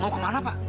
mau ke mana pak